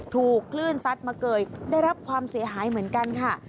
ถูกคลื่นซัดมาเกยได้รับความเสียหายเหมือนกันค่ะ